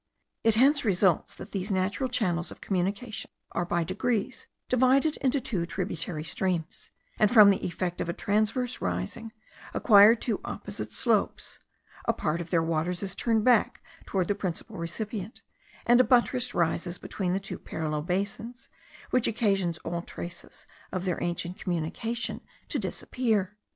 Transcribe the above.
It hence results that these natural channels of communication are by degrees divided into two tributary streams, and from the effect of a transverse rising, acquire two opposite slopes; a part of their waters is turned back towards the principal recipient, and a buttress rises between the two parallel basins, which occasions all traces of their ancient communication to disappear.